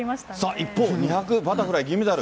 一方、２００バタフライ銀メダル。